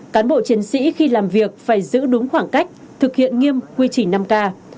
cán bộ chiến sĩ khi làm việc phải giữ đúng khoảng cách thực hiện nghiêm quy trình năm k